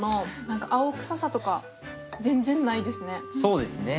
そうですね